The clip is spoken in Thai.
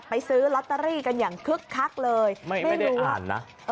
ซื้อลอตเตอรี่กันอย่างคึกคักเลยไม่ได้อ่านนะ